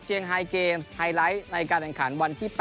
ไฮเกมส์ไฮไลท์ในการแข่งขันวันที่๘